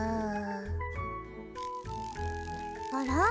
あら？